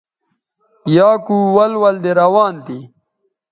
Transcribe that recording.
یا کو ول ول دے روان تھی